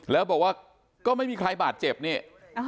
แล้วบอกว่าก็ไม่มีใครบาดเจ็บนี่